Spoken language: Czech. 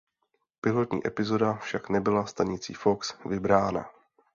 Pilotní epizoda však nebyla stanicí Fox vybrána.